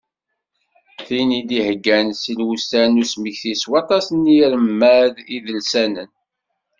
Tin i d-iheggan sin wussan n usmekti, s waṭas n yiremad idelsanen.